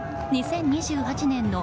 ２０２８年の